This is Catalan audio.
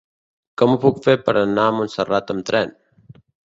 Com ho puc fer per anar a Montserrat amb tren?